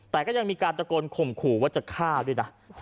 แต่ก็ยังมีการตะโกนข่มขู่ว่าจะฆ่าด้วยนะ